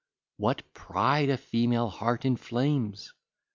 What pride a female heart inflames?